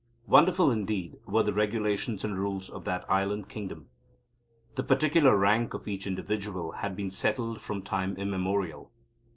Wonderful indeed were the regulations and rules of that island kingdom. The particular rank of each individual had been settled from time immemorial.